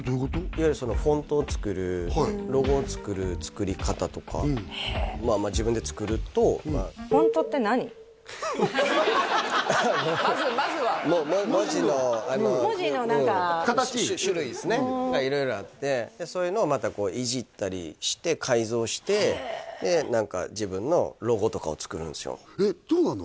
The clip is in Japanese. いわゆるフォントを作るロゴを作る作り方とかまあまあ自分で作ると文字のあの文字の何か種類ですねが色々あってそういうのをまたいじったりして改造して何か自分のロゴとかを作るんですよどうなの？